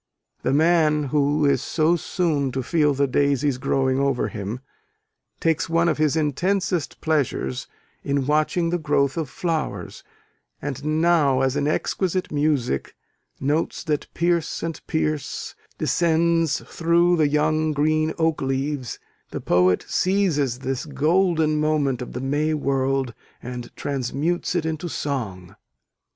The man who is so soon to "feel the daisies growing over him," takes one of his intensest pleasures in watching the growth of flowers; and now, as an exquisite music, "notes that pierce and pierce," descends through the young green oak leaves, the poet seizes this golden moment of the May world and transmutes it into song.